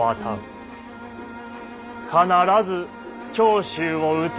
必ず長州を討て。